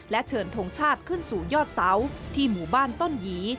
เชิญทงชาติขึ้นสู่ยอดเสาที่หมู่บ้านต้นหยี